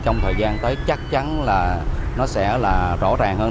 trong thời gian tới chắc chắn là nó sẽ là rõ ràng hơn